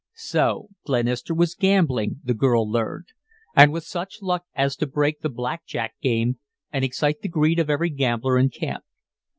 So Glenister was gambling, the girl learned, and with such luck as to break the Black Jack game and excite the greed of every gambler in camp.